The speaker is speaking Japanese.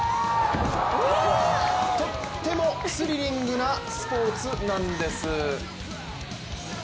とってもスリリングなスポーツなんです。